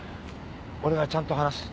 俺がちゃんと話す。